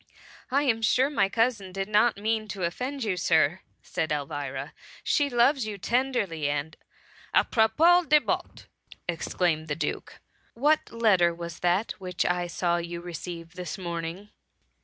*^ I am sure my cousin did not mean to offend .you. Sir,'' said Elvira; " She loves you tenderly, and "*^ Apropos de bottesT exclaimed the Duke, what letter was that which I saw you receive this morning?"